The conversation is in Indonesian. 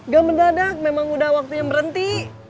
gak mendadak memang udah waktunya berhenti